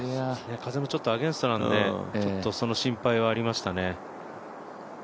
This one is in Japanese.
風もちょっとアゲンストなんでその心配はありましたね。